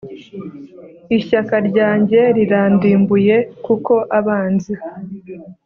Ishyaka ryanjye rirandimbuye Kuko abanzi